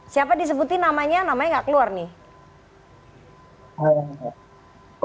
siapa disebutin namanya namanya gak keluar nih